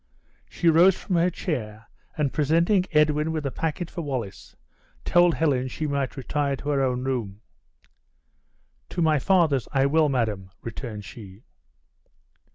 She rose from her chair, and presenting Edwin with a packet for Wallace, told Helen she might retire to her own room. "To my father's I will, madam," returned she.